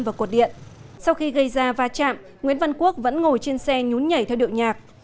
vào cột điện sau khi gây ra va chạm nguyễn văn quốc vẫn ngồi trên xe nhún nhảy theo điệu nhạc